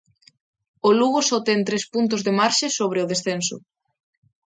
O Lugo só ten tres puntos de marxe sobre o descenso.